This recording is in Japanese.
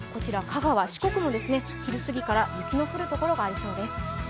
香川、四国も昼過ぎから雪の降るところがありそうです。